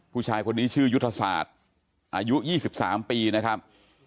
ผู้ชายคนนี้ชื่อยุทธศาสตร์อายุ๒๓ปีนะครับ